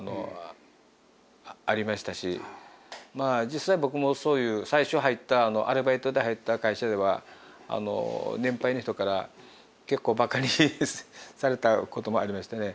実際僕もそういう最初入ったアルバイトで入った会社では年配の人から結構馬鹿にされたこともありましたね。